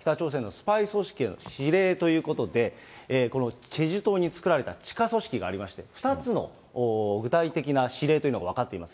北朝鮮のスパイ組織への指令ということで、このチェジュ島に作られた地下組織がありまして、２つの具体的な指令というのが分かっています。